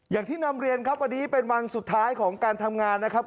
อย่างที่นำเรียนครับวันนี้เป็นวันสุดท้ายของการทำงานนะครับ